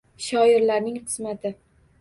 Shoirlarning qismati.